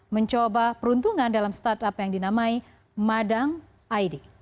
mencoba peruntungan dalam startup yang dinamai madang id